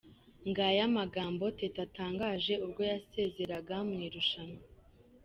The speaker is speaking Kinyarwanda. Ngaya amagambo Teta atangaje ubwo yasezeraga mu irushanwa.